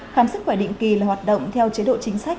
khám sức khỏe định kỳ là hoạt động theo chế độ chính sách